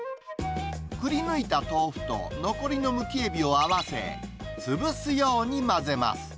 くりぬいた豆腐と残りのむきエビを合わせ、潰すように混ぜます。